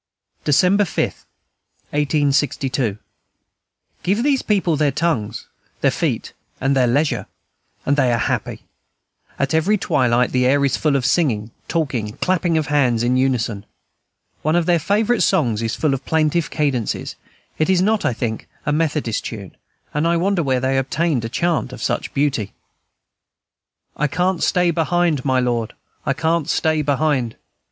December 5, 1862. Give these people their tongues, their feet, and their leisure, and they are happy. At every twilight the air is full of singing, talking, and clapping of hands in unison. One of their favorite songs is full of plaintive cadences; it is not, I think, a Methodist tune, and I wonder where they obtained a chant of such beauty. "I can't stay behind, my Lord, I can't stay behind!